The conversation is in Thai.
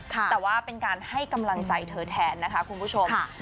แต่ว่าเป็นการให้กำลังใจเธอแทนนะคะคุณผู้ชม